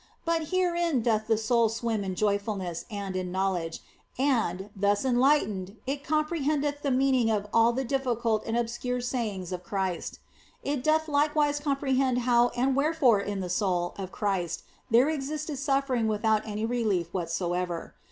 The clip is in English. But herein doth OF FOLIGNO 37 the soul swim in joyfulness and in knowledge, and, thus enlightened, it comprehendeth the meaning of all the difficult and obscure sayings of Christ. It doth likewise comprehend how and wherefore in the soul of Christ there existed suffering without any relief whatsoever.